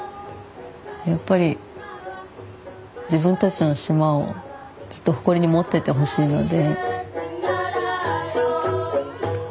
やっぱり自分たちの島をずっと誇りに持っててほしいので。